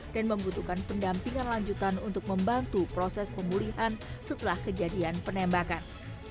dan membutuhkan pendampingan lanjutan untuk membantu proses pemulihan setelah kejadian penembakan